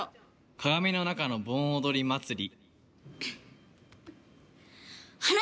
鏡の中の盆踊り祭り。